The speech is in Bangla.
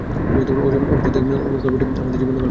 ওম শান্তি ওমের গল্পটি আমার জীবনের গল্প।